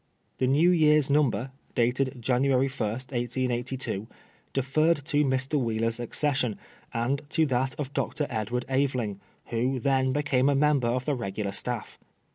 The new year's number, dated January 1, 1882, re ferred to Mr. Wheeler's accession, and to that of Dr. Edward Aveling, who then became a member of the regular staff.